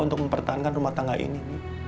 untuk mempertahankan rumah tangga ini